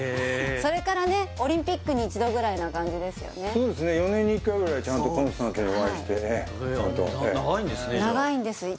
それからねオリンピックに一度ぐらいな感じですよね長いんですね